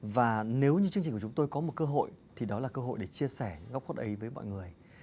và nếu như chương trình của chúng tôi có một cơ hội thì đó là cơ hội để chia sẻ góc khuất ấy với mọi người